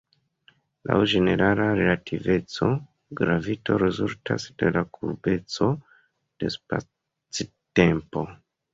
Laŭ ĝenerala relativeco, gravito rezultas de la kurbeco de spactempo.